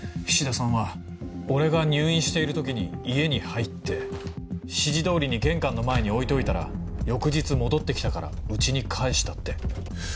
菱田さんは俺が入院している時に家に入って指示通りに玄関の前に置いておいたら翌日戻って来たからうちに返したって。